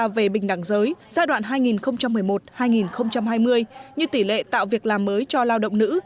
về bình đẳng giới giai đoạn hai nghìn một mươi một hai nghìn hai mươi như tỷ lệ tạo việc làm mới cho lao động nữ